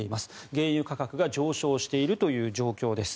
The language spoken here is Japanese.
原油価格が上昇しているという状況です。